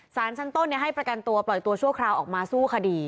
สารชั้นต้นให้ประกันตัวปล่อยตัวชั่วคราวออกมาสู้คดี